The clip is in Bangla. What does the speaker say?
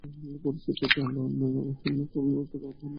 এই পরিস্থিতিতে আমরা অন্য আরেক দ্বন্দ্বের মধ্যে পড়েছি।